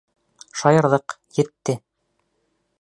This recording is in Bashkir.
Шаярҙыҡ, етте!